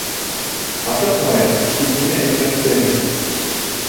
«Ашыҡмайыҡ» тип нимә әйтмәксеһең?